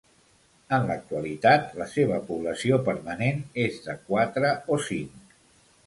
En l'actualitat, la seva població permanent és de quatre o cinc.